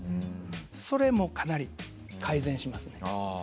それもかなり改善します。